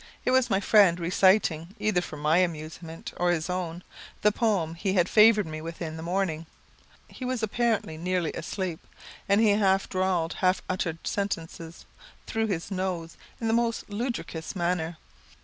It was my friend reciting, either for my amusement or his own, the poem he had favoured me with in the morning. He was apparently nearly asleep, and he drawled the half uttered sentences through his nose in the most ludicrous manner.